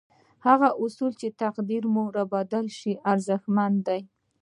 هغه اصول چې تقدير مو بدلولای شي ارزښتمن دي.